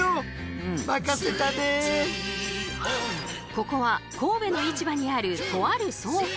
ここは神戸の市場にあるとある倉庫。